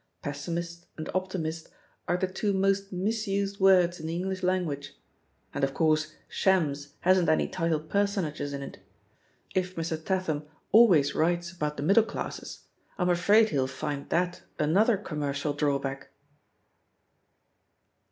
'Pessimist' and 'optimist' are the two most misused words in the English language. And, of course, Shams hasn't any titled person ages in it. If Mr. Tatham always writes about the middle classes I'm afraid he'll find that an other commercial drawback."